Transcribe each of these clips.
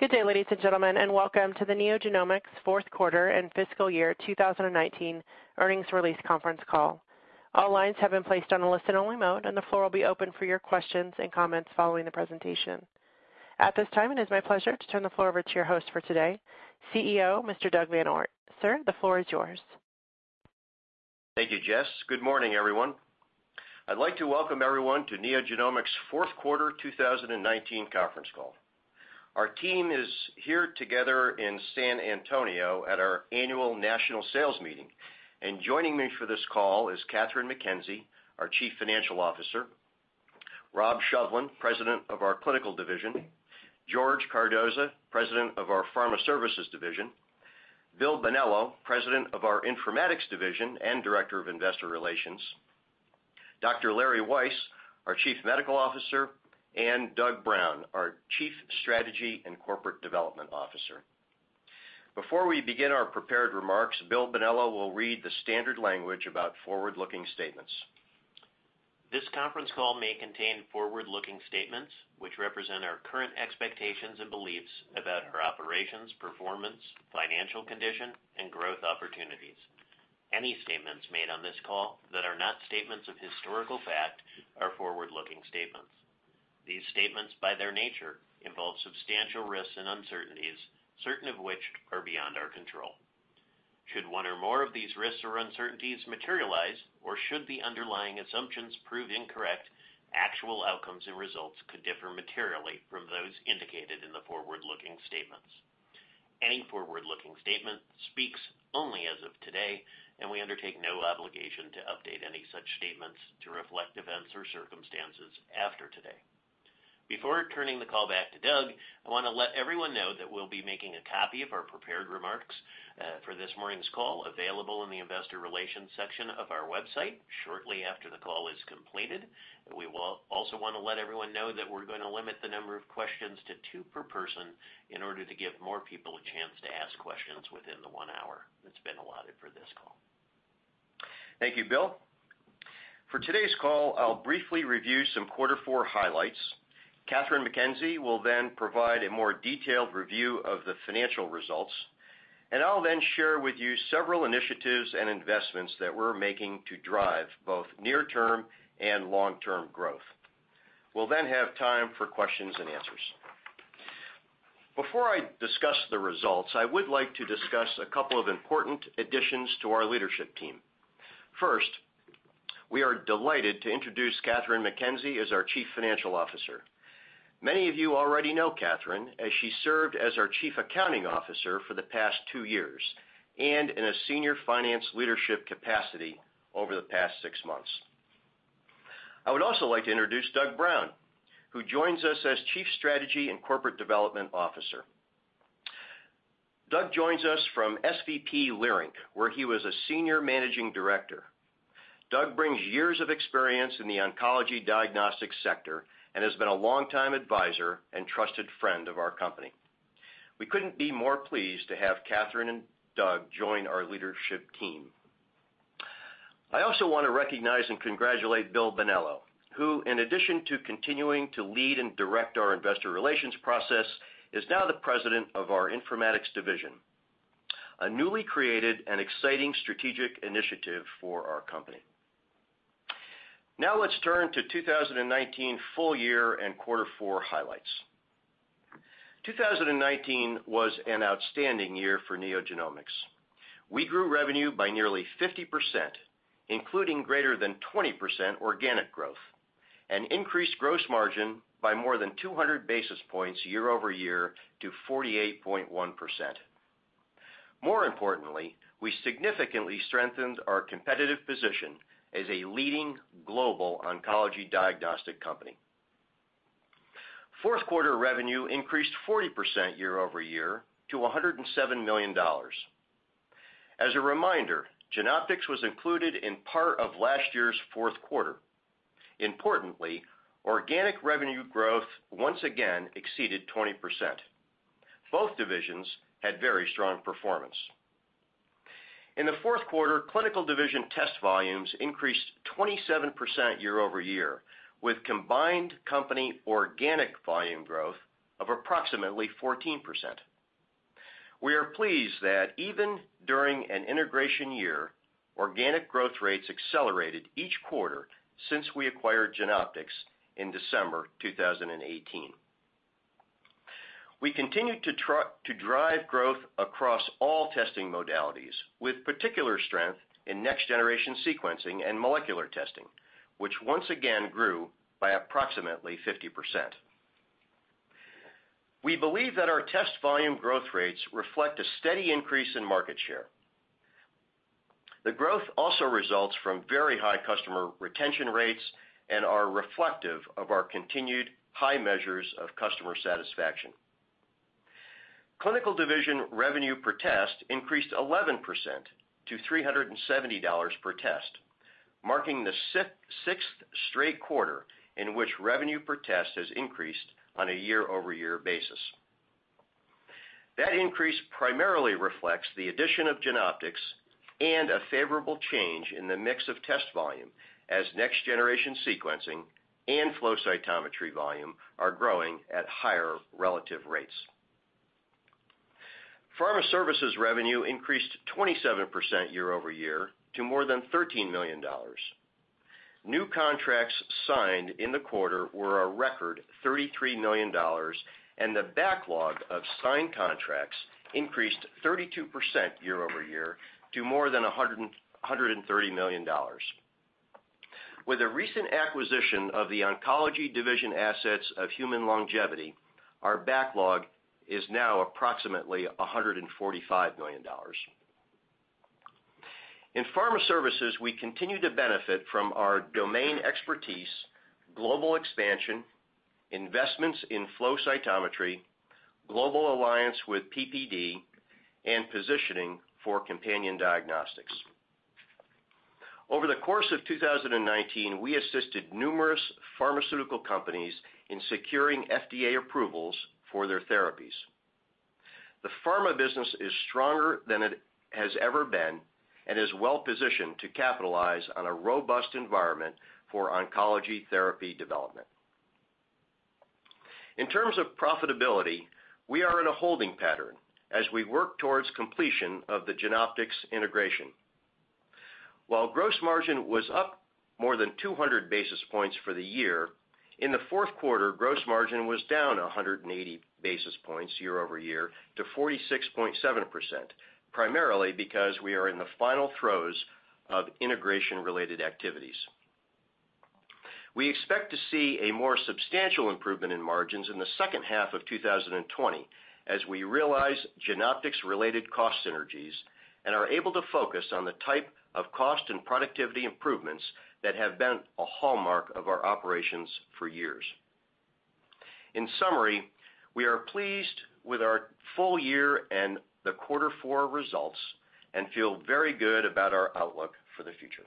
Good day, ladies and gentlemen, and welcome to the NeoGenomics fourth quarter and fiscal year 2019 earnings release conference call. All lines have been placed on a listen-only mode, and the floor will be open for your questions and comments following the presentation. At this time, it is my pleasure to turn the floor over to your host for today, CEO, Mr. Doug VanOort. Sir, the floor is yours. Thank you, Jess. Good morning, everyone. I'd like to welcome everyone to NeoGenomics' fourth quarter 2019 conference call. Our team is here together in San Antonio at our annual national sales meeting. Joining me for this call is Kathryn McKenzie, our Chief Financial Officer, Rob Shovlin, President of our Clinical Division, George Cardoza, President of our Pharma Services Division, Bill Bonello, President of our Informatics Division and Director of Investor Relations, Dr. Larry Weiss, our Chief Medical Officer, and Doug Brown, our Chief Strategy and Corporate Development Officer. Before we begin our prepared remarks, Bill Bonello will read the standard language about forward-looking statements. This conference call may contain forward-looking statements, which represent our current expectations and beliefs about our operations, performance, financial condition, and growth opportunities. Any statements made on this call that are not statements of historical fact are forward-looking statements. These statements, by their nature, involve substantial risks and uncertainties, certain of which are beyond our control. Should one or more of these risks or uncertainties materialize, or should the underlying assumptions prove incorrect, actual outcomes and results could differ materially from those indicated in the forward-looking statements. Any forward-looking statement speaks only as of today, and we undertake no obligation to update any such statements to reflect events or circumstances after today. Before turning the call back to Doug, I want to let everyone know that we'll be making a copy of our prepared remarks for this morning's call available in the investor relations section of our website shortly after the call is completed. We also want to let everyone know that we're going to limit the number of questions to two per person in order to give more people a chance to ask questions within the one hour that's been allotted for this call. Thank you, Bill. For today's call, I'll briefly review some quarter four highlights. Kathryn McKenzie will then provide a more detailed review of the financial results, and I'll then share with you several initiatives and investments that we're making to drive both near-term and long-term growth. We'll then have time for questions and answers. Before I discuss the results, I would like to discuss a couple of important additions to our leadership team. First, we are delighted to introduce Kathryn McKenzie as our Chief Financial Officer. Many of you already know Kathryn, as she served as our Chief Accounting Officer for the past two years and in a senior finance leadership capacity over the past six months. I would also like to introduce Doug Brown, who joins us as Chief Strategy and Corporate Development Officer. Doug joins us from SVB Leerink, where he was a senior managing director. Doug brings years of experience in the oncology diagnostic sector and has been a longtime advisor and trusted friend of our company. We couldn't be more pleased to have Kathryn and Doug join our leadership team. I also want to recognize and congratulate Bill Bonello, who, in addition to continuing to lead and direct our investor relations process, is now the President of our Informatics Division, a newly created and exciting strategic initiative for our company. Let's turn to 2019 full year and quarter four highlights. 2019 was an outstanding year for NeoGenomics. We grew revenue by nearly 50%, including greater than 20% organic growth, and increased gross margin by more than 200 basis points year-over-year to 48.1%. More importantly, we significantly strengthened our competitive position as a leading global oncology diagnostic company. Fourth quarter revenue increased 40% year-over-year to $107 million. As a reminder, Genoptix was included in part of last year's fourth quarter. Organic revenue growth once again exceeded 20%. Both divisions had very strong performance. In the fourth quarter, clinical division test volumes increased 27% year-over-year, with combined company organic volume growth of approximately 14%. We are pleased that even during an integration year, organic growth rates accelerated each quarter since we acquired Genoptix in December 2018. We continued to drive growth across all testing modalities, with particular strength in next-generation sequencing and molecular testing, which once again grew by approximately 50%. We believe that our test volume growth rates reflect a steady increase in market share. Growth also results from very high customer retention rates and are reflective of our continued high measures of customer satisfaction. Clinical division revenue per test increased 11% to $370 per test, marking the sixth straight quarter in which revenue per test has increased on a year-over-year basis. That increase primarily reflects the addition of Genoptix and a favorable change in the mix of test volume as next-generation sequencing and flow cytometry volume are growing at higher relative rates. Pharma services revenue increased 27% year-over-year to more than $13 million. New contracts signed in the quarter were a record $33 million, and the backlog of signed contracts increased 32% year-over-year to more than $130 million. With the recent acquisition of the Oncology Division assets of Human Longevity, our backlog is now approximately $145 million. In pharma services, we continue to benefit from our domain expertise, global expansion, investments in flow cytometry, global alliance with PPD, and positioning for companion diagnostics. Over the course of 2019, we assisted numerous pharmaceutical companies in securing FDA approvals for their therapies. The pharma business is stronger than it has ever been and is well-positioned to capitalize on a robust environment for oncology therapy development. In terms of profitability, we are in a holding pattern as we work towards completion of the Genoptix integration. While gross margin was up more than 200 basis points for the year, in the fourth quarter, gross margin was down 180 basis points year-over-year to 46.7%, primarily because we are in the final throes of integration-related activities. We expect to see a more substantial improvement in margins in the second half of 2020 as we realize Genoptix-related cost synergies and are able to focus on the type of cost and productivity improvements that have been a hallmark of our operations for years. In summary, we are pleased with our full-year and the quarter four results and feel very good about our outlook for the future.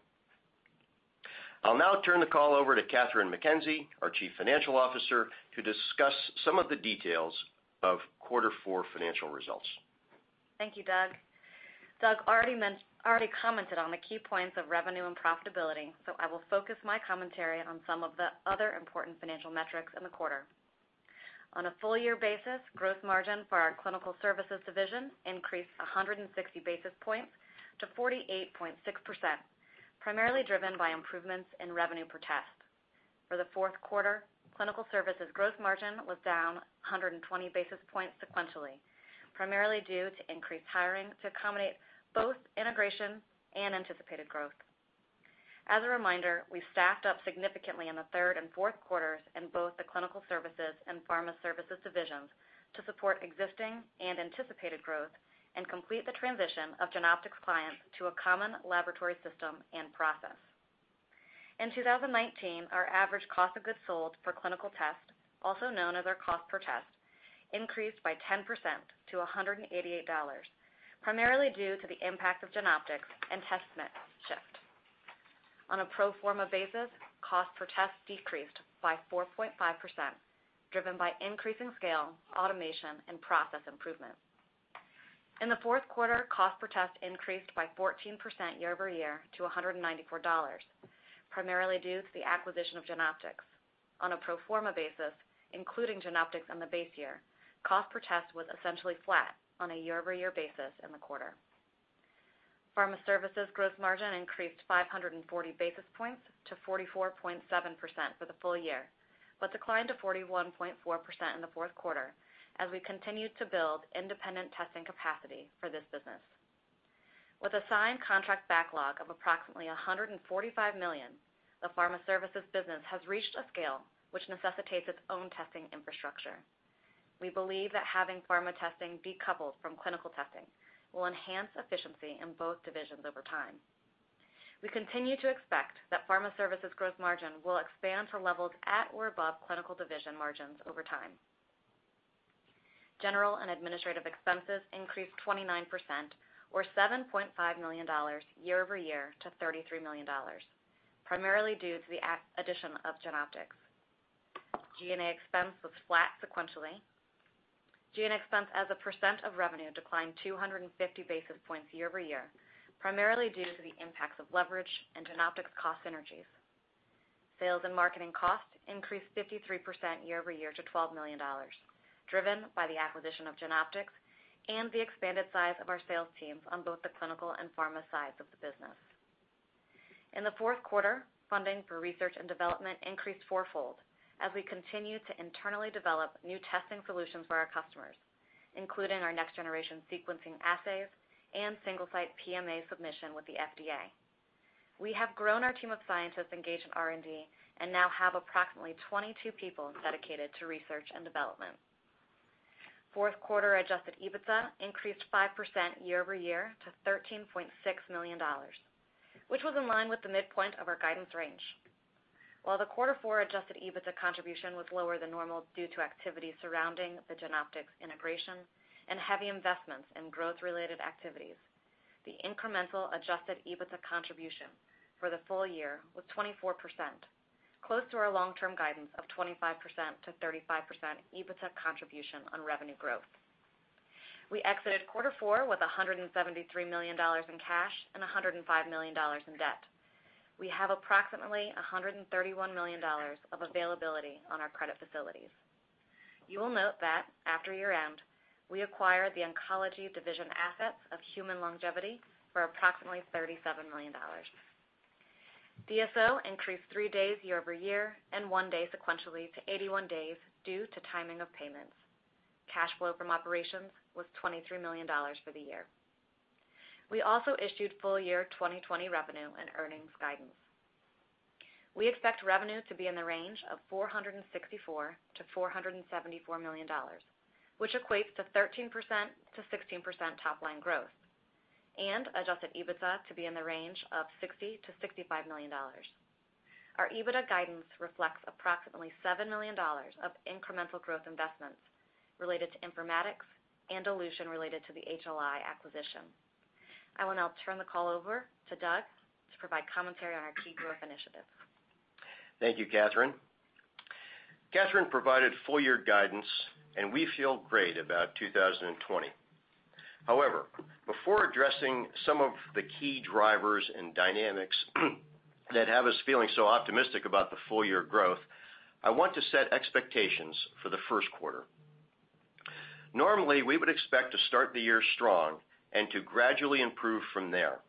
I'll now turn the call over to Kathryn McKenzie, our Chief Financial Officer, to discuss some of the details of quarter four financial results. Thank you, Doug. Doug already commented on the key points of revenue and profitability. I will focus my commentary on some of the other important financial metrics in the quarter. On a full year basis, gross margin for our clinical services division increased 160 basis points to 48.6%, primarily driven by improvements in revenue per test. For the fourth quarter, clinical services gross margin was down 120 basis points sequentially, primarily due to increased hiring to accommodate both integration and anticipated growth. As a reminder, we staffed up significantly in the third and fourth quarters in both the clinical services and pharma services divisions to support existing and anticipated growth and complete the transition of Genoptix clients to a common laboratory system and process. In 2019, our average cost of goods sold for clinical tests, also known as our cost per test, increased by 10% to $188, primarily due to the impact of Genoptix and test mix shift. On a pro forma basis, cost per test decreased by 4.5%, driven by increasing scale, automation, and process improvement. In the fourth quarter, cost per test increased by 14% year-over-year to $194, primarily due to the acquisition of Genoptix. On a pro forma basis, including Genoptix in the base year, cost per test was essentially flat on a year-over-year basis in the quarter. Pharma Services gross margin increased 540 basis points to 44.7% for the full year, but declined to 41.4% in the fourth quarter as we continued to build independent testing capacity for this business. With a signed contract backlog of approximately $145 million, the Pharma Services business has reached a scale which necessitates its own testing infrastructure. We believe that having Pharma testing decoupled from Clinical testing will enhance efficiency in both divisions over time. We continue to expect that Pharma Services gross margin will expand to levels at or above Clinical Division margins over time. General and administrative expenses increased 29% or $7.5 million year-over-year to $33 million, primarily due to the addition of Genoptix. G&A expense was flat sequentially. G&A expense as a percent of revenue declined 250 basis points year-over-year, primarily due to the impacts of leverage and Genoptix cost synergies. Sales and marketing costs increased 53% year-over-year to $12 million, driven by the acquisition of Genoptix and the expanded size of our sales teams on both the Clinical and Pharma sides of the business. In the fourth quarter, funding for research and development increased fourfold as we continue to internally develop new testing solutions for our customers, including our next-generation sequencing assays and single-site PMA submission with the FDA. We have grown our team of scientists engaged in R&D and now have approximately 22 people dedicated to research and development. Fourth quarter adjusted EBITDA increased 5% year-over-year to $13.6 million, which was in line with the midpoint of our guidance range. While the quarter four adjusted EBITDA contribution was lower than normal due to activities surrounding the Genoptix integration and heavy investments in growth-related activities. The incremental adjusted EBITDA contribution for the full year was 24%, close to our long-term guidance of 25%-35% EBITDA contribution on revenue growth. We exited quarter four with $173 million in cash and $105 million in debt. We have approximately $131 million of availability on our credit facilities. You will note that after year-end, we acquired the Oncology Division assets of Human Longevity for approximately $37 million. DSO increased three days year-over-year and one day sequentially to 81 days due to timing of payments. Cash flow from operations was $23 million for the year. We also issued full year 2020 revenue and earnings guidance. We expect revenue to be in the range of $464 million-$474 million, which equates to 13%-16% top-line growth, and adjusted EBITDA to be in the range of $60 million-$65 million. Our EBITDA guidance reflects approximately $7 million of incremental growth investments related to Informatics and dilution related to the HLI acquisition. I will now turn the call over to Doug to provide commentary on our key growth initiatives. Thank you, Kathryn. Kathryn provided full-year guidance and we feel great about 2020. However, before addressing some of the key drivers and dynamics that have us feeling so optimistic about the full year growth, I want to set expectations for the first quarter. Normally, we would expect to start the year strong and to gradually improve from there.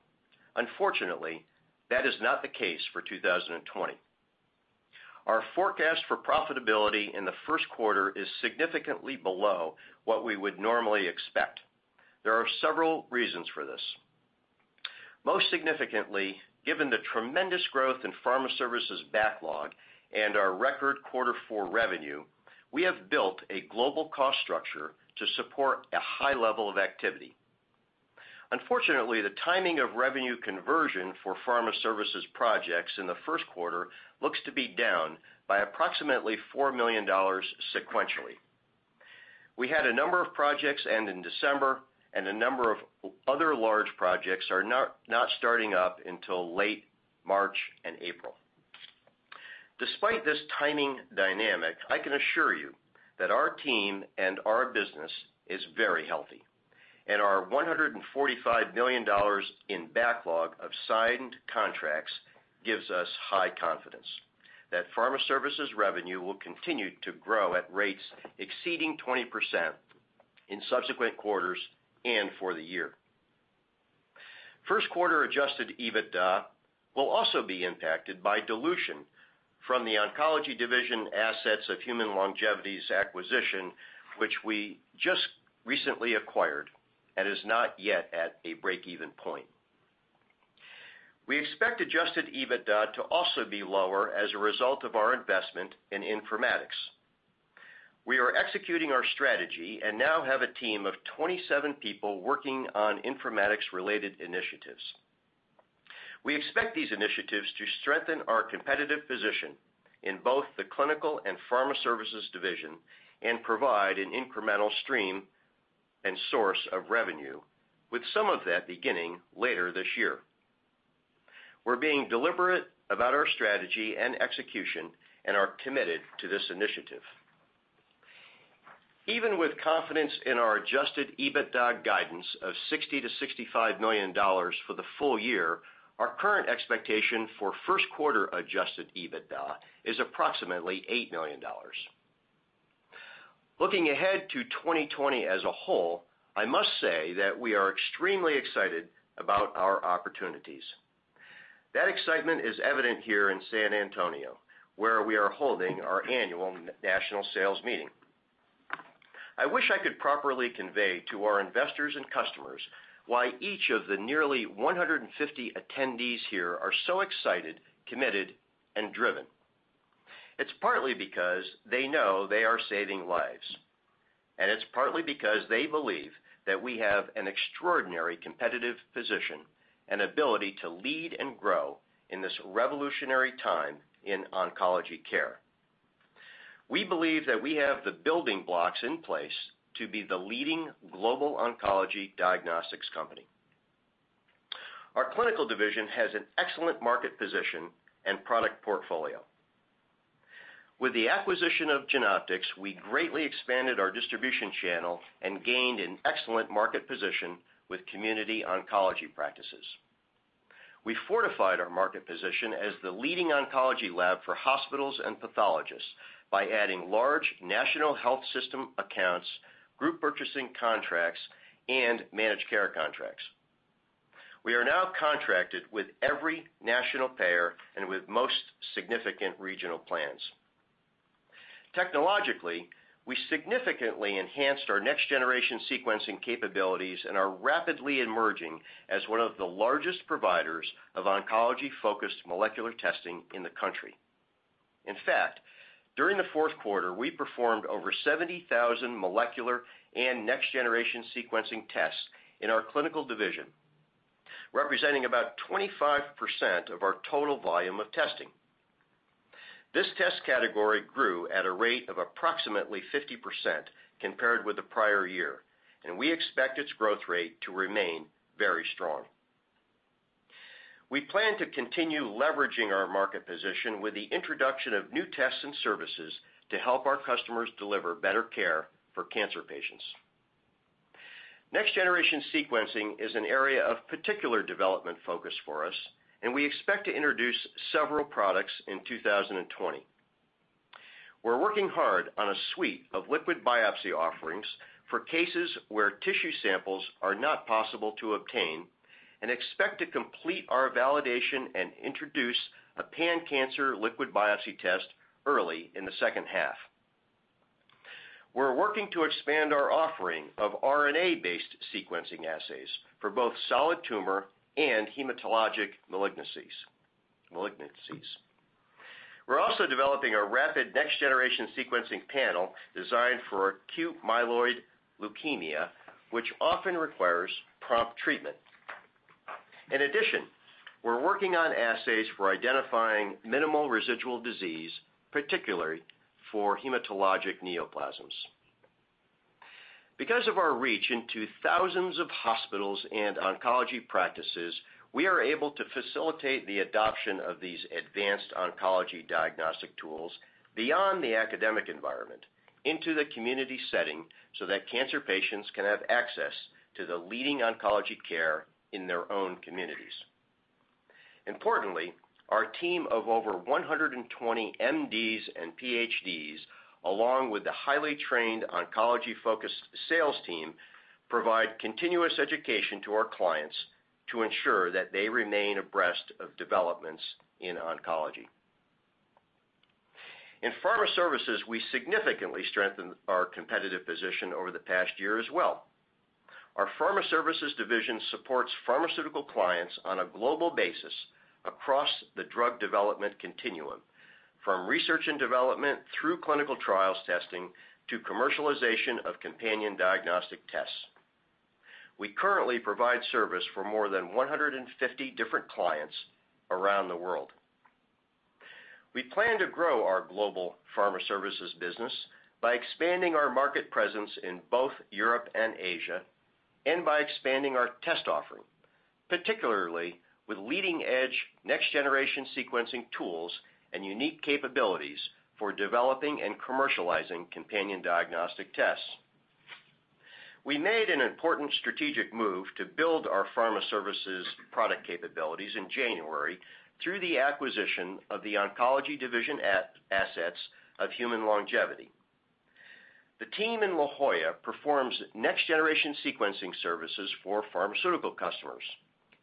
Unfortunately, that is not the case for 2020. Our forecast for profitability in the first quarter is significantly below what we would normally expect. There are several reasons for this. Most significantly, given the tremendous growth in Pharma Services backlog and our record quarter four revenue, we have built a global cost structure to support a high level of activity. Unfortunately, the timing of revenue conversion for Pharma Services projects in the first quarter looks to be down by approximately $4 million sequentially. We had a number of projects end in December, and a number of other large projects are not starting up until late March and April. Despite this timing dynamic, I can assure you that our team and our business is very healthy, and our $145 million in backlog of signed contracts gives us high confidence that Pharma Services revenue will continue to grow at rates exceeding 20% in subsequent quarters and for the year. First quarter adjusted EBITDA will also be impacted by dilution from the Oncology Division assets of Human Longevity's acquisition, which we just recently acquired and is not yet at a break-even point. We expect adjusted EBITDA to also be lower as a result of our investment in informatics. We are executing our strategy and now have a team of 27 people working on informatics-related initiatives. We expect these initiatives to strengthen our competitive position in both the clinical and pharma services division and provide an incremental stream and source of revenue, with some of that beginning later this year. We're being deliberate about our strategy and execution and are committed to this initiative. Even with confidence in our adjusted EBITDA guidance of $60 million-$65 million for the full year, our current expectation for first quarter adjusted EBITDA is approximately $8 million. Looking ahead to 2020 as a whole, I must say that we are extremely excited about our opportunities. That excitement is evident here in San Antonio, where we are holding our annual national sales meeting. I wish I could properly convey to our investors and customers why each of the nearly 150 attendees here are so excited, committed, and driven. It's partly because they know they are saving lives, and it's partly because they believe that we have an extraordinary competitive position and ability to lead and grow in this revolutionary time in oncology care. We believe that we have the building blocks in place to be the leading global oncology diagnostics company. Our clinical division has an excellent market position and product portfolio. With the acquisition of Genoptix, we greatly expanded our distribution channel and gained an excellent market position with community oncology practices. We fortified our market position as the leading oncology lab for hospitals and pathologists by adding large national health system accounts, group purchasing contracts, and managed care contracts. We are now contracted with every national payer and with most significant regional plans. Technologically, we significantly enhanced our next-generation sequencing capabilities and are rapidly emerging as one of the largest providers of oncology-focused molecular testing in the country. In fact, during the fourth quarter, we performed over 70,000 molecular and next-generation sequencing tests in our clinical division, representing about 25% of our total volume of testing. This test category grew at a rate of approximately 50% compared with the prior year, and we expect its growth rate to remain very strong. We plan to continue leveraging our market position with the introduction of new tests and services to help our customers deliver better care for cancer patients. Next-generation sequencing is an area of particular development focus for us, and we expect to introduce several products in 2020. We're working hard on a suite of liquid biopsy offerings for cases where tissue samples are not possible to obtain, and expect to complete our validation and introduce a pan-cancer liquid biopsy test early in the second half. We're working to expand our offering of RNA-based sequencing assays for both solid tumor and hematologic malignancies. We're also developing a rapid next-generation sequencing panel designed for acute myeloid leukemia, which often requires prompt treatment. In addition, we're working on assays for identifying minimal residual disease, particularly for hematologic neoplasms. Because of our reach into thousands of hospitals and oncology practices, we are able to facilitate the adoption of these advanced oncology diagnostic tools beyond the academic environment into the community setting, so that cancer patients can have access to the leading oncology care in their own communities. Importantly, our team of over 120 MDs and PhDs, along with the highly trained oncology-focused sales team, provide continuous education to our clients to ensure that they remain abreast of developments in oncology. In pharma services, we significantly strengthened our competitive position over the past year as well. Our Pharma Services division supports pharmaceutical clients on a global basis across the drug development continuum, from research and development, through clinical trials testing, to commercialization of companion diagnostic tests. We currently provide service for more than 150 different clients around the world. We plan to grow our global pharma services business by expanding our market presence in both Europe and Asia, and by expanding our test offering, particularly with leading-edge next-generation sequencing tools and unique capabilities for developing and commercializing companion diagnostic tests. We made an important strategic move to build our Pharma Services product capabilities in January through the acquisition of the Oncology Division assets of Human Longevity. The team in La Jolla performs next-generation sequencing services for pharmaceutical customers,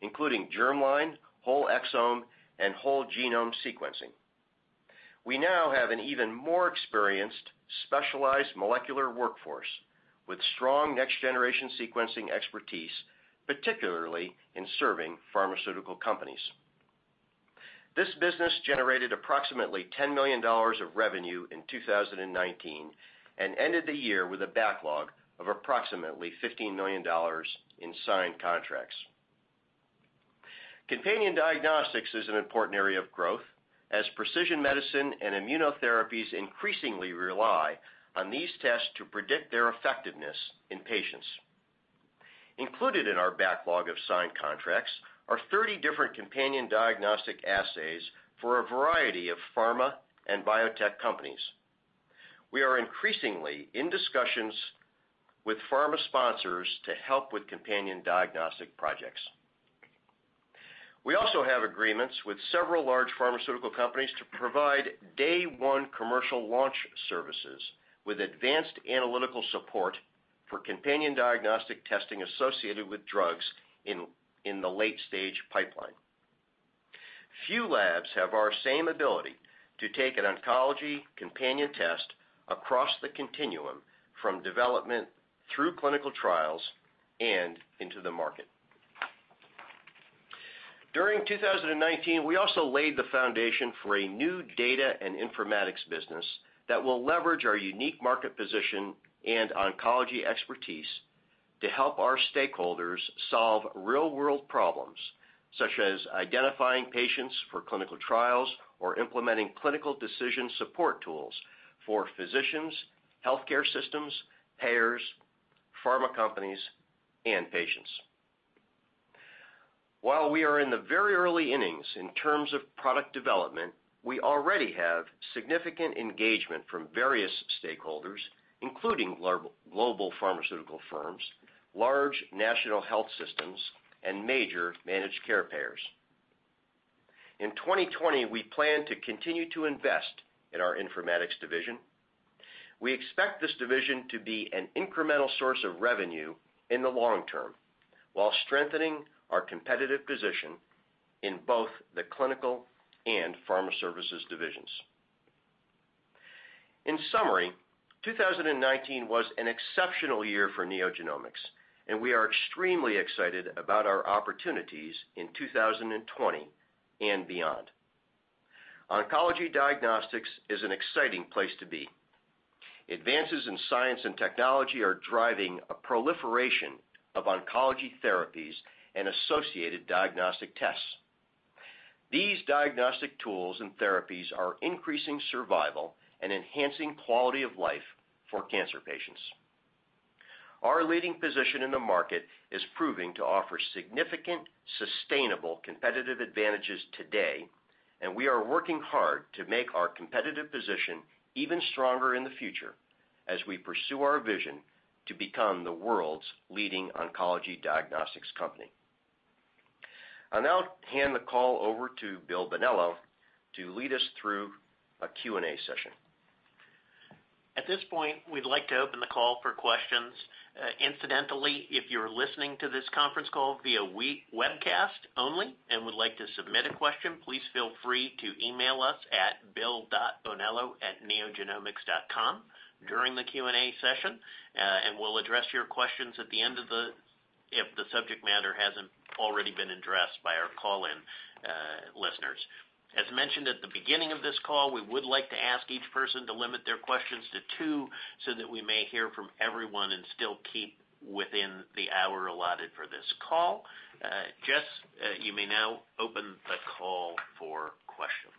including germline, whole exome, and whole genome sequencing. We now have an even more experienced, specialized molecular workforce with strong next-generation sequencing expertise, particularly in serving pharmaceutical companies. This business generated approximately $10 million of revenue in 2019 and ended the year with a backlog of approximately $15 million in signed contracts. Companion diagnostics is an important area of growth as precision medicine and immunotherapies increasingly rely on these tests to predict their effectiveness in patients. Included in our backlog of signed contracts are 30 different companion diagnostic assays for a variety of pharma and biotech companies. We are increasingly in discussions with pharma sponsors to help with companion diagnostic projects. We also have agreements with several large pharmaceutical companies to provide day one commercial launch services with advanced analytical support for companion diagnostic testing associated with drugs in the late-stage pipeline. Few labs have our same ability to take an oncology companion test across the continuum, from development through clinical trials and into the market. During 2019, we also laid the foundation for a new data and informatics business that will leverage our unique market position and oncology expertise to help our stakeholders solve real-world problems, such as identifying patients for clinical trials or implementing clinical decision support tools for physicians, healthcare systems, payers, pharma companies, and patients. While we are in the very early innings in terms of product development, we already have significant engagement from various stakeholders, including global pharmaceutical firms, large national health systems, and major managed care payers. In 2020, we plan to continue to invest in our informatics division. We expect this division to be an incremental source of revenue in the long term while strengthening our competitive position in both the clinical and pharma services divisions. In summary, 2019 was an exceptional year for NeoGenomics, and we are extremely excited about our opportunities in 2020 and beyond. Oncology diagnostics is an exciting place to be. Advances in science and technology are driving a proliferation of oncology therapies and associated diagnostic tests. These diagnostic tools and therapies are increasing survival and enhancing quality of life for cancer patients. Our leading position in the market is proving to offer significant, sustainable competitive advantages today, and we are working hard to make our competitive position even stronger in the future as we pursue our vision to become the world's leading oncology diagnostics company. I'll now hand the call over to Bill Bonello to lead us through a Q&A session. At this point, we'd like to open the call for questions. Incidentally, if you're listening to this conference call via webcast only and would like to submit a question, please feel free to email us at bill.bonello@neogenomics.com during the Q&A session, and we'll address your questions at the end, if the subject matter hasn't already been addressed by our call-in listeners. As mentioned at the beginning of this call, we would like to ask each person to limit their questions to two so that we may hear from everyone and still keep within the hour allotted for this call. Jess, you may now open the call for questions.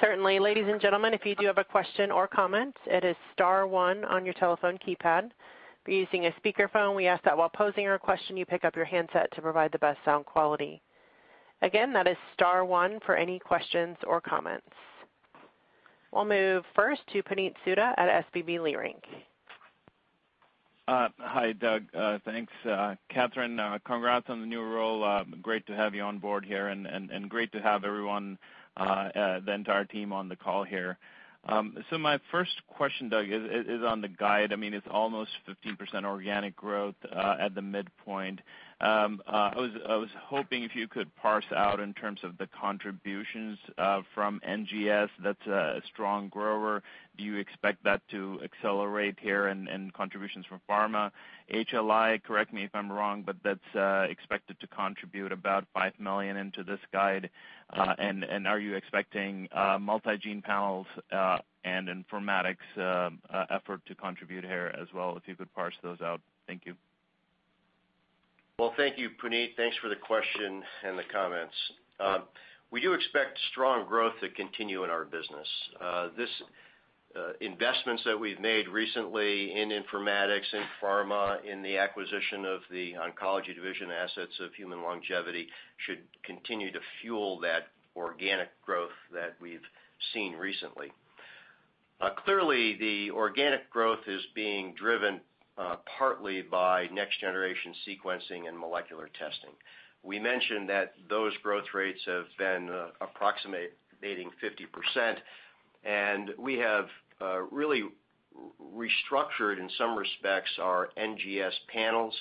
Certainly. Ladies and gentlemen, if you do have a question or comment, it is star one on your telephone keypad. If you're using a speakerphone, we ask that while posing your question, you pick up your handset to provide the best sound quality. Again, that is star one for any questions or comments. We'll move first to Puneet Souda at SVB Leerink. Hi, Doug. Thanks. Kathryn, congrats on the new role. Great to have you on board here, and great to have everyone, the entire team on the call here. My first question, Doug, is on the guide. It's almost 15% organic growth, at the midpoint. I was hoping if you could parse out in terms of the contributions from NGS, that's a strong grower. Do you expect that to accelerate here in contributions from pharma? HLI, correct me if I'm wrong, but that's expected to contribute about $5 million into this guide. Are you expecting multi-gene panels and informatics effort to contribute here as well? If you could parse those out. Thank you. Thank you, Puneet. Thanks for the question and the comments. We do expect strong growth to continue in our business. These investments that we've made recently in Informatics, in Pharma, in the acquisition of the Oncology Division assets of Human Longevity should continue to fuel that organic growth that we've seen recently. Clearly, the organic growth is being driven partly by next-generation sequencing and molecular testing. We mentioned that those growth rates have been approximating 50%, we have really restructured, in some respects, our NGS panels,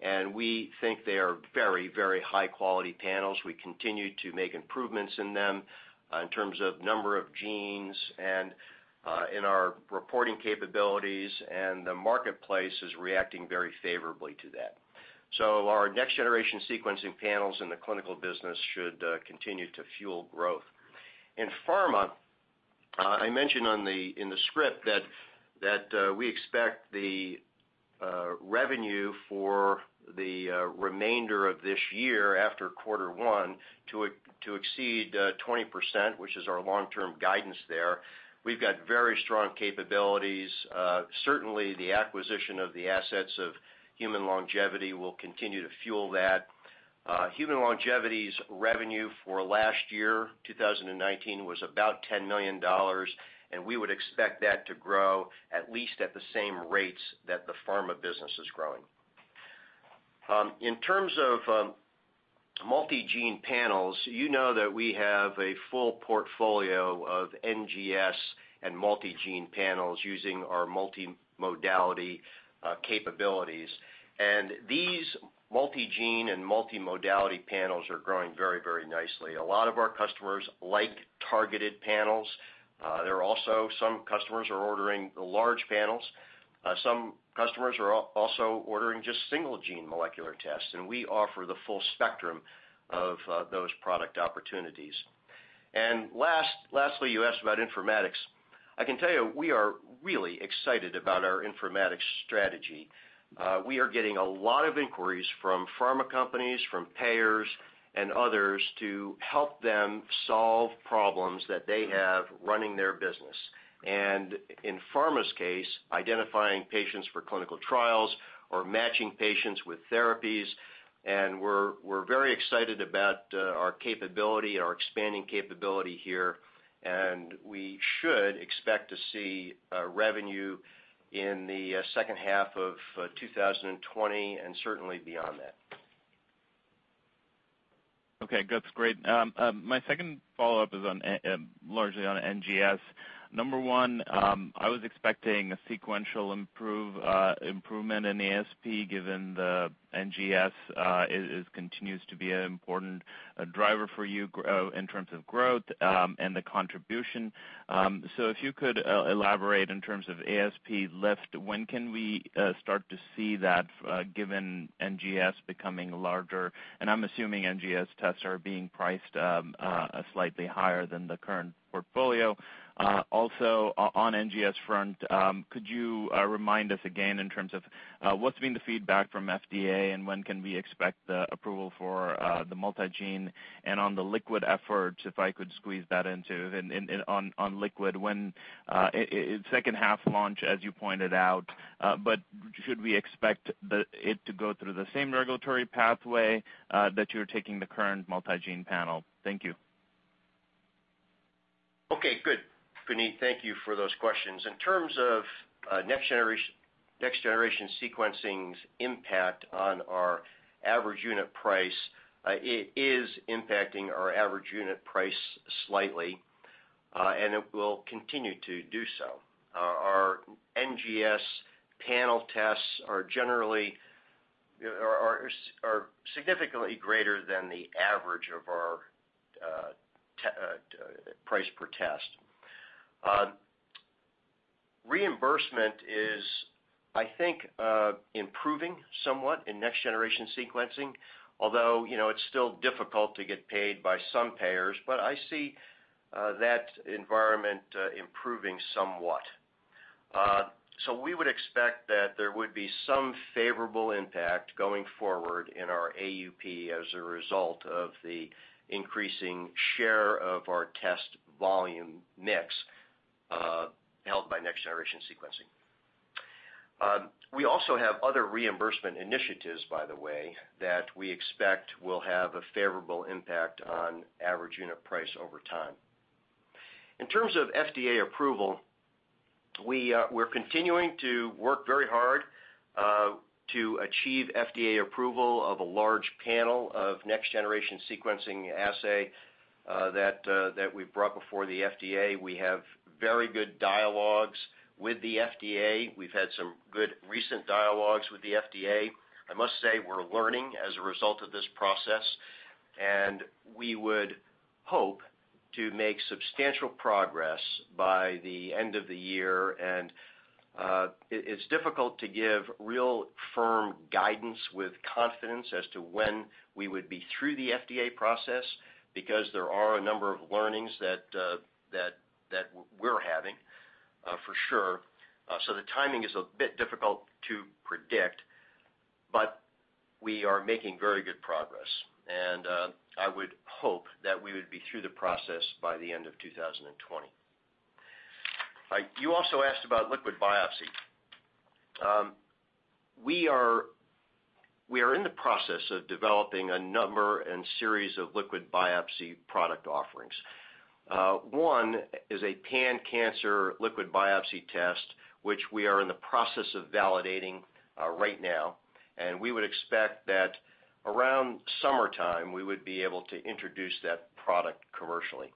and we think they are very high-quality panels. We continue to make improvements in them in terms of number of genes and in our reporting capabilities, the marketplace is reacting very favorably to that. Our next-generation sequencing panels in the clinical business should continue to fuel growth. In pharma, I mentioned in the script that we expect the revenue for the remainder of this year, after quarter one, to exceed 20%, which is our long-term guidance there. We've got very strong capabilities. Certainly, the acquisition of the assets of Human Longevity will continue to fuel that. Human Longevity's revenue for last year, 2019, was about $10 million, and we would expect that to grow at least at the same rates that the pharma business is growing. In terms of multi-gene panels, you know that we have a full portfolio of NGS and multi-gene panels using our multi-modality capabilities, and these multi-gene and multi-modality panels are growing very nicely. A lot of our customers like targeted panels. There are also some customers who are ordering the large panels. Some customers are also ordering just single-gene molecular tests, and we offer the full spectrum of those product opportunities. Lastly, you asked about informatics. I can tell you, we are really excited about our informatics strategy. We are getting a lot of inquiries from pharma companies, from payers, and others to help them solve problems that they have running their business. In pharma's case, identifying patients for clinical trials or matching patients with therapies. We're very excited about our expanding capability here, and we should expect to see revenue in the second half of 2020 and certainly beyond that. Okay, that's great. My second follow-up is largely on NGS. Number one, I was expecting a sequential improvement in ASP, given the NGS continues to be an important driver for you in terms of growth and the contribution. If you could elaborate in terms of ASP lift, when can we start to see that given NGS becoming larger? I'm assuming NGS tests are being priced slightly higher than the current portfolio. Also, on NGS front, could you remind us again in terms of what's been the feedback from FDA and when can we expect the approval for the multi-gene? On the liquid efforts, if I could squeeze that in too, on liquid, when second half launch, as you pointed out, should we expect it to go through the same regulatory pathway that you're taking the current multi-gene panel? Thank you. Okay, good. Puneet, thank you for those questions. In terms of next-generation sequencing's impact on our average unit price, it is impacting our average unit price slightly, and it will continue to do so. Our NGS panel tests are significantly greater than the average of our price per test. Reimbursement is, I think, improving somewhat in next-generation sequencing, although, it's still difficult to get paid by some payers. I see that environment improving somewhat. We would expect that there would be some favorable impact going forward in our AUP as a result of the increasing share of our test volume mix, held by next-generation sequencing. We also have other reimbursement initiatives, by the way, that we expect will have a favorable impact on average unit price over time. In terms of FDA approval, we're continuing to work very hard, to achieve FDA approval of a large panel of next-generation sequencing assay that we've brought before the FDA. We have very good dialogues with the FDA. We've had some good recent dialogues with the FDA. I must say, we're learning as a result of this process, and we would hope to make substantial progress by the end of the year. It's difficult to give real firm guidance with confidence as to when we would be through the FDA process, because there are a number of learnings that we're having, for sure. The timing is a bit difficult to predict, but we are making very good progress. I would hope that we would be through the process by the end of 2020. You also asked about liquid biopsy. We are in the process of developing a number and series of liquid biopsy product offerings. One is a pan-cancer liquid biopsy test, which we are in the process of validating right now. We would expect that around summertime, we would be able to introduce that product commercially.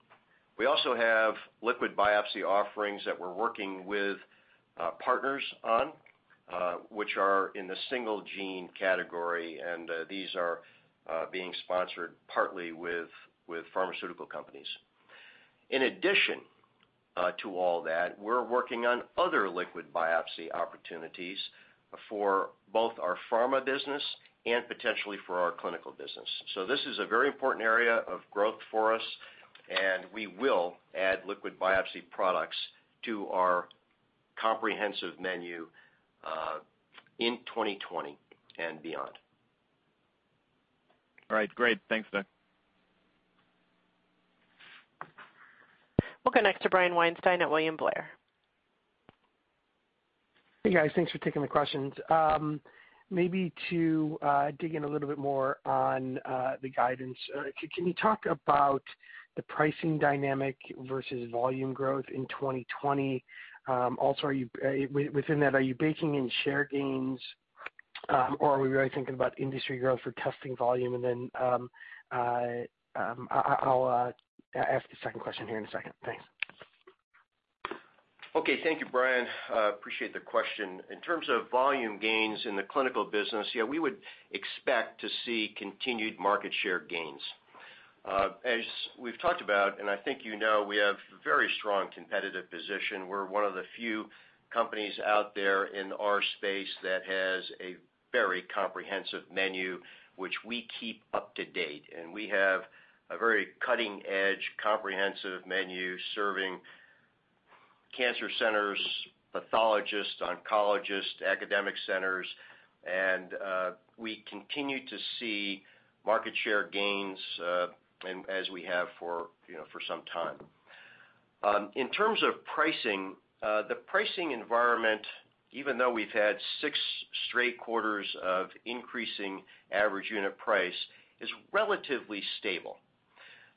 We also have liquid biopsy offerings that we're working with partners on, which are in the single gene category, and these are being sponsored partly with pharmaceutical companies. In addition to all that, we're working on other liquid biopsy opportunities for both our pharma business and potentially for our clinical business. This is a very important area of growth for us, and we will add liquid biopsy products to our comprehensive menu in 2020 and beyond. All right. Great. Thanks, Doug. We'll go next to Brian Weinstein at William Blair. Hey, guys. Thanks for taking the questions. Maybe to dig in a little bit more on the guidance. Can you talk about the pricing dynamic versus volume growth in 2020? Also, within that, are you baking in share gains, or are we really thinking about industry growth or testing volume? Then, I'll ask the second question here in a second. Thanks. Okay. Thank you, Brian. Appreciate the question. In terms of volume gains in the clinical business, yeah, we would expect to see continued market share gains. As we've talked about, and I think you know, we have a very strong competitive position. We're one of the few companies out there in our space that has a very comprehensive menu, which we keep up to date. We have a very cutting-edge, comprehensive menu serving cancer centers, pathologists, oncologists, academic centers, and we continue to see market share gains, as we have for some time. In terms of pricing, the pricing environment, even though we've had six straight quarters of increasing average unit price, is relatively stable.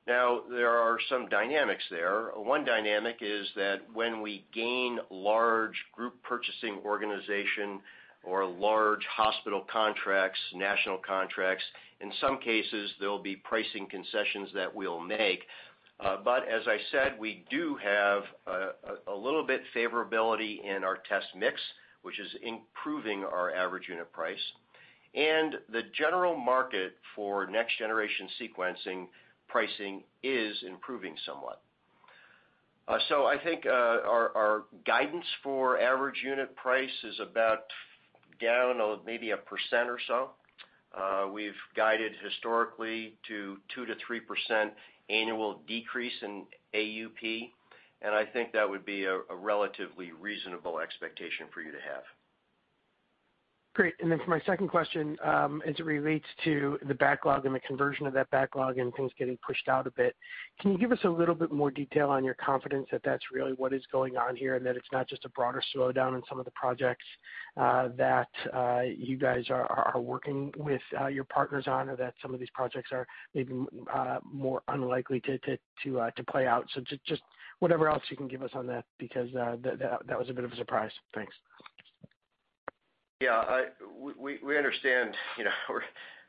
Now, there are some dynamics there. One dynamic is that when we gain large group purchasing organization or large hospital contracts, national contracts. In some cases, there'll be pricing concessions that we'll make. As I said, we do have a little bit favorability in our test mix, which is improving our average unit price. The general market for next-generation sequencing pricing is improving somewhat. I think, our guidance for average unit price is about down maybe 1% or so. We've guided historically to 2%-3% annual decrease in AUP, and I think that would be a relatively reasonable expectation for you to have. Great. For my second question, as it relates to the backlog and the conversion of that backlog and things getting pushed out a bit, can you give us a little bit more detail on your confidence that that's really what is going on here, and that it's not just a broader slowdown in some of the projects that you guys are working with your partners on, or that some of these projects are maybe more unlikely to play out? Just whatever else you can give us on that, because that was a bit of a surprise. Thanks. Yeah. We understand,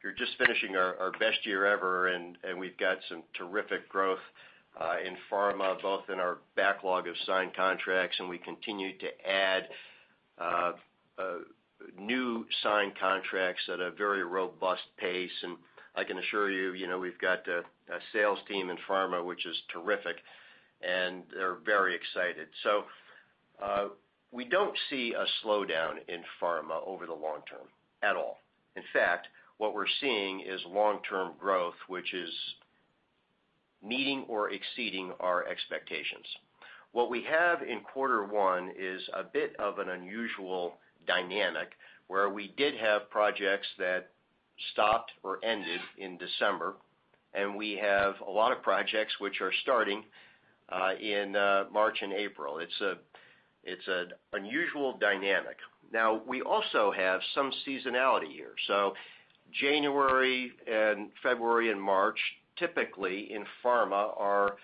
we're just finishing our best year ever, and we've got some terrific growth in pharma, both in our backlog of signed contracts, and we continue to add new signed contracts at a very robust pace. I can assure you, we've got a sales team in pharma, which is terrific, and they're very excited. We don't see a slowdown in pharma over the long term at all. In fact, what we're seeing is long-term growth, which is meeting or exceeding our expectations. What we have in quarter one is a bit of an unusual dynamic, where we did have projects that stopped or ended in December. We have a lot of projects which are starting in March and April. It's an unusual dynamic. Now, we also have some seasonality here. January and February, and March, typically in pharma, are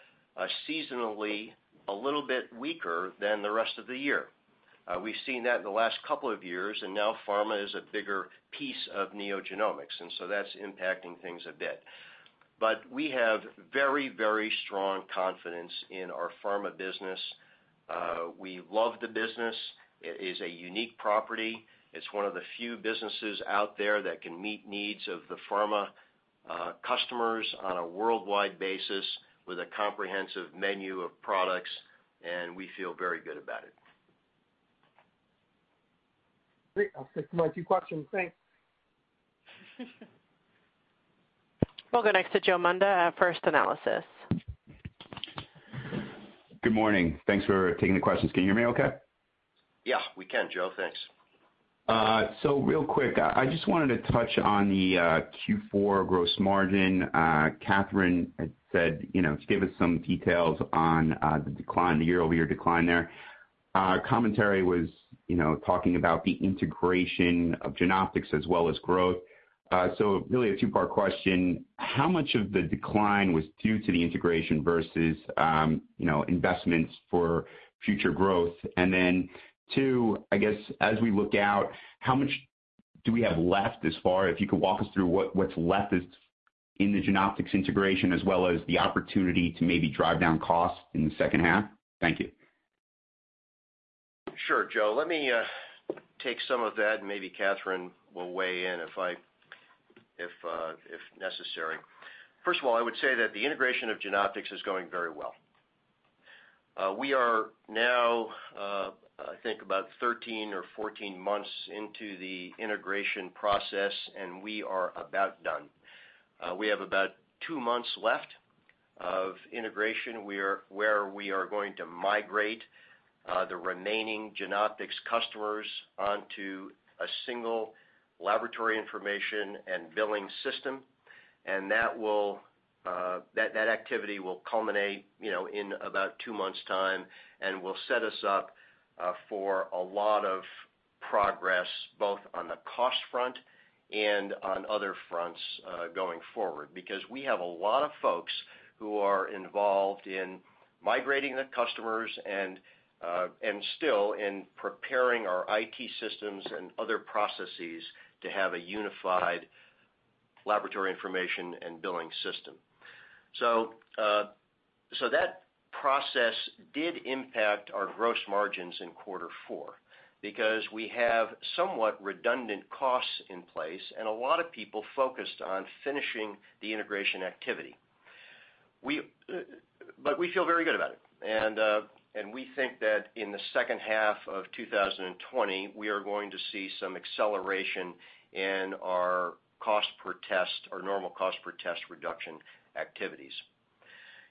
seasonally a little bit weaker than the rest of the year. We've seen that in the last couple of years. Now pharma is a bigger piece of NeoGenomics, so that's impacting things a bit. We have very strong confidence in our pharma business. We love the business. It is a unique property. It's one of the few businesses out there that can meet needs of the pharma customers on a worldwide basis with a comprehensive menu of products. We feel very good about it. Great. That's my two questions. Thanks. We'll go next to Joe Munda at First Analysis. Good morning. Thanks for taking the questions. Can you hear me okay? Yeah, we can, Joe. Thanks. Real quick, I just wanted to touch on the Q4 gross margin. Kathryn had said to give us some details on the decline, the year-over-year decline there. Commentary was talking about the integration of Genoptix as well as growth. Really a two-part question. How much of the decline was due to the integration versus investments for future growth? Two, I guess as we look out, how much do we have left? If you could walk us through what's left in the Genoptix integration as well as the opportunity to maybe drive down costs in the second half. Thank you. Sure, Joe. Let me take some of that, and maybe Kathryn will weigh in if necessary. First of all, I would say that the integration of Genoptix is going very well. We are now, I think about 13 or 14 months into the integration process, and we are about done. We have about two months left of integration, where we are going to migrate the remaining Genoptix customers onto a single laboratory information and billing system. That activity will culminate in about two months' time and will set us up for a lot of progress, both on the cost front and on other fronts, going forward. Because we have a lot of folks who are involved in migrating the customers and still in preparing our IT systems and other processes to have a unified laboratory information and billing system. That process did impact our gross margins in quarter four because we have somewhat redundant costs in place and a lot of people focused on finishing the integration activity. We feel very good about it. We think that in the second half of 2020, we are going to see some acceleration in our cost per test or normal cost per test reduction activities.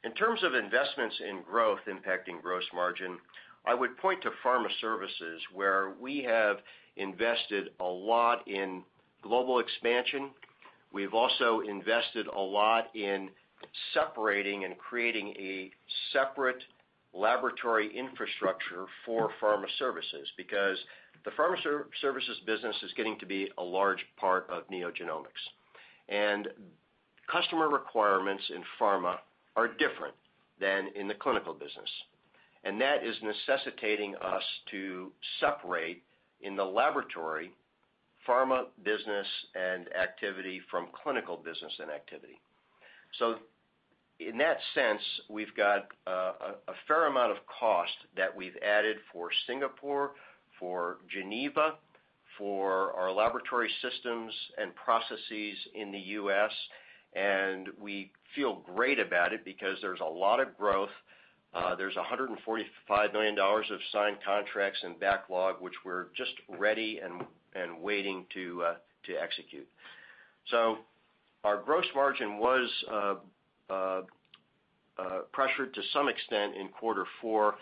In terms of investments in growth impacting gross margin, I would point to Pharma Services, where we have invested a lot in global expansion. We've also invested a lot in separating and creating a separate laboratory infrastructure for Pharma Services because the Pharma Services business is getting to be a large part of NeoGenomics. Customer requirements in Pharma are different than in the Clinical business, that is necessitating us to separate, in the laboratory, Pharma business and activity from Clinical business and activity. In that sense, we've got a fair amount of cost that we've added for Singapore, for Geneva, for our laboratory systems and processes in the U.S., and we feel great about it because there's a lot of growth. There's $145 million of signed contracts and backlog, which we're just ready and waiting to execute. Our gross margin was pressured to some extent in quarter four;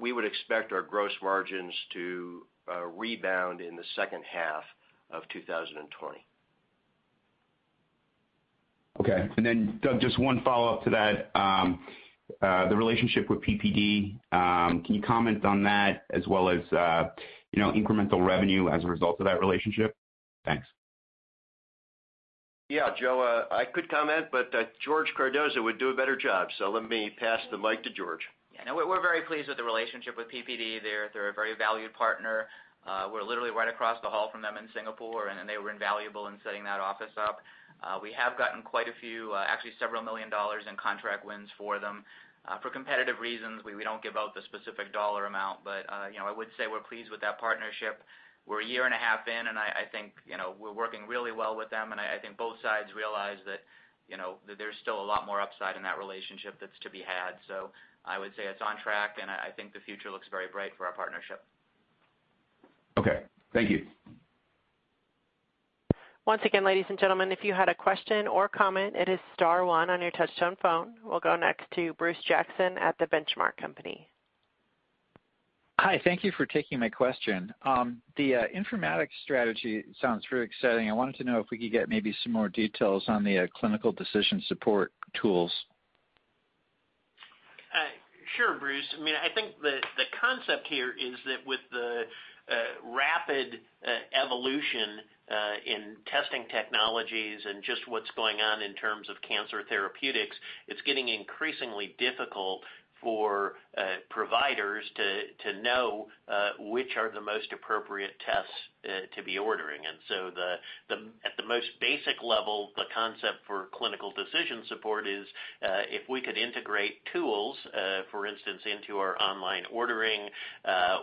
we would expect our gross margins to rebound in the second half of 2020. Okay. Doug, just one follow-up to that. The relationship with PPD, can you comment on that as well as incremental revenue as a result of that relationship? Thanks. Yeah, Joe, I could comment, but George Cardoza would do a better job. Let me pass the mic to George. Yeah, no, we're very pleased with the relationship with PPD. They're a very valued partner. We're literally right across the hall from them in Singapore, and they were invaluable in setting that office up. We have gotten quite a few, actually several million dollars in contract wins for them. For competitive reasons, we don't give out the specific dollar amount, but I would say we're pleased with that partnership. We're a year and a half in, and I think we're working really well with them, and I think both sides realize that there's still a lot more upside in that relationship that's to be had. I would say it's on track, and I think the future looks very bright for our partnership. Okay. Thank you. Once again, ladies and gentlemen, if you had a question or comment, it is star one on your touch-tone phone. We'll go next to Bruce Jackson at The Benchmark Company. Hi. Thank you for taking my question. The informatics strategy sounds very exciting. I wanted to know if we could get maybe some more details on the clinical decision support tools. Sure, Bruce. I think the concept here is that with the rapid evolution in testing technologies and just what's going on in terms of cancer therapeutics, it's getting increasingly difficult for providers to know which are the most appropriate tests to be ordering. At the most basic level, the concept for clinical decision support is, if we could integrate tools, for instance, into our online ordering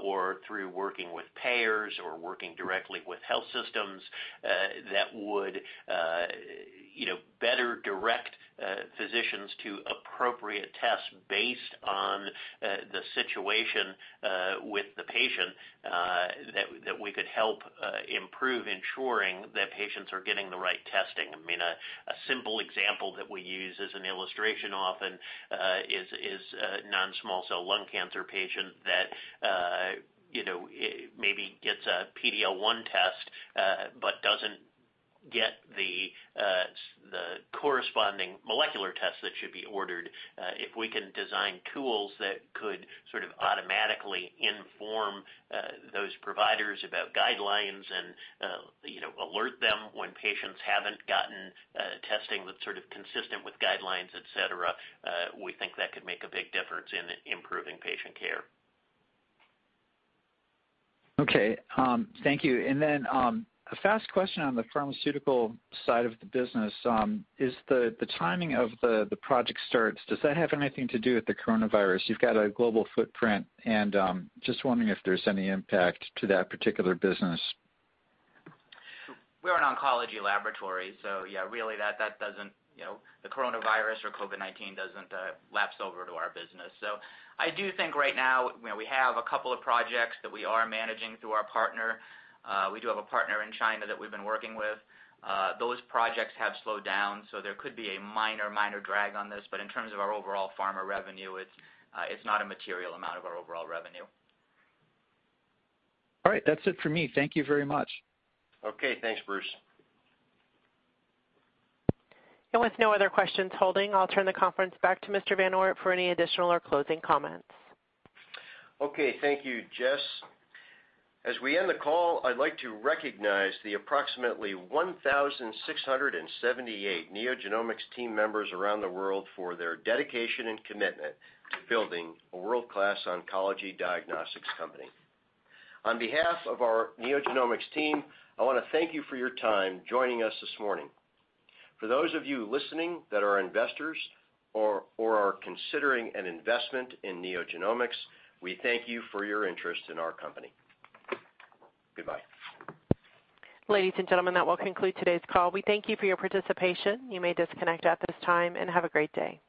or through working with payers or working directly with health systems, that would better direct physicians to appropriate tests based on the situation with the patient, that we could help improve ensuring that patients are getting the right testing. A simple example that we use as an illustration often is a non-small cell lung cancer patient that maybe gets a PD-L1 test but doesn't get the corresponding molecular test that should be ordered. If we can design tools that could sort of automatically inform those providers about guidelines and alert them when patients haven't gotten testing that's sort of consistent with guidelines, et cetera, we think that could make a big difference in improving patient care. Okay. Thank you. A fast question on the pharmaceutical side of the business. Is the timing of the project starts, does that have anything to do with the coronavirus? You've got a global footprint and just wondering if there's any impact to that particular business. We're an oncology laboratory. Yeah, really, the coronavirus or COVID-19 doesn't lapse over to our business. I do think right now, we have a couple of projects that we are managing through our partner. We do have a partner in China that we've been working with. Those projects have slowed down, so there could be a minor drag on this, but in terms of our overall pharma revenue, it's not a material amount of our overall revenue. All right. That's it for me. Thank you very much. Okay. Thanks, Bruce. With no other questions holding, I'll turn the conference back to Mr. VanOort for any additional or closing comments. Okay. Thank you, Jess. As we end the call, I'd like to recognize the approximately 1,678 NeoGenomics team members around the world for their dedication and commitment to building a world-class oncology diagnostics company. On behalf of our NeoGenomics team, I want to thank you for your time joining us this morning. For those of you listening that are investors or are considering an investment in NeoGenomics, we thank you for your interest in our company. Goodbye. Ladies and gentlemen, that will conclude today's call. We thank you for your participation. You may disconnect at this time and have a great day.